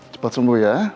cepat sembuh ya